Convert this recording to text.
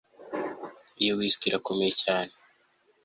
iyo whisky irakomeye cyane